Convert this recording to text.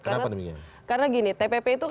kenapa demikian karena gini tpp itu